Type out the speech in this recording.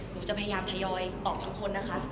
หนูจะพยายามทยอยตอบทั้งคนนะคะ